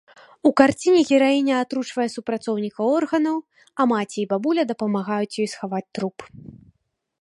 У карціне гераіня атручвае супрацоўніка органаў, а маці і бабуля дапамагаюць ёй схаваць труп.